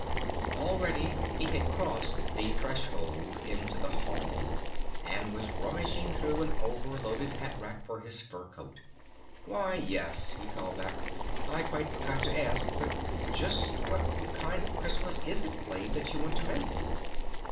Already he had crossed the threshold into the hall and was rummaging through an over loaded hat rack for his fur coat. "Why, yes," he called back, "I quite forgot to ask. Just what kind of a Christmas is it, Flame, that you want to make?"